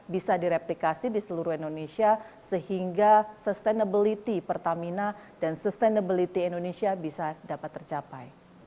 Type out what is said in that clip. bisa direplikasi di seluruh indonesia sehingga sustainability pertamina dan sustainability indonesia bisa dapat tercapai